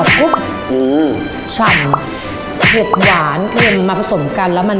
หืมชำเผ็ดหวานเข้มมาผสมกันแล้วมัน